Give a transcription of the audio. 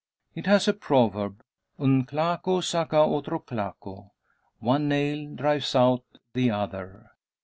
It has a proverb, un claco saca otro claco "one nail drives out the other."